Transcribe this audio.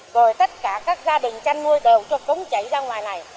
rồi tất cả các gia đình chăn nuôi đều cho cống chảy ra ngoài này